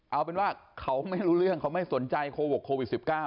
เอาเป็นว่าเขาไม่รู้เรื่องเขาไม่สนใจโควิด๑๙